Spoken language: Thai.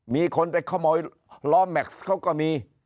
มีคนไปขโมยล้อแม็กซ์เขาก็มี